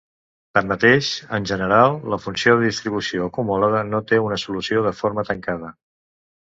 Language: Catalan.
Tanmateix, en general, la funció de distribució acumulada no té una solució de forma tancada.